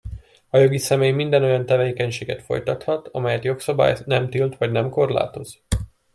A jogi személy minden olyan tevékenységet folytathat, amelyet jogszabály nem tilt vagy nem korlátoz.